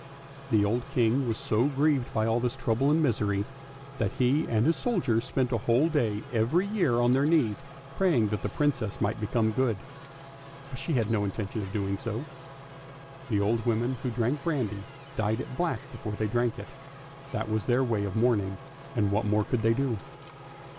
The old King was so grieved by all this trouble and misery that he and his soldiers spent a whole day every year on their knees praying that the Princess might become good. But she had no intention of so doing. The old women who drank brandy dyed it black before they drank it; that was their way of mourning, and what more could they do